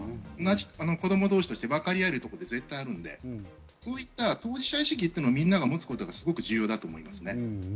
子供同士としてわかり合えることは絶対あるので、そういった当事者意識をみんなが持つことはすごく重要です。